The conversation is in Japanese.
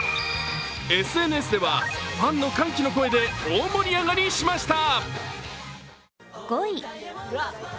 ＳＮＳではファンの歓喜の声で大盛り上がりしました。